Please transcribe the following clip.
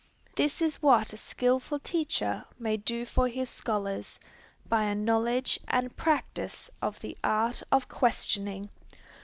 This is what a skilful teacher may do for his scholars, by a knowledge and practice of the art of questioning.